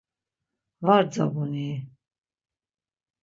Var tzap̌un-i?